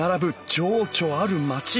情緒ある街。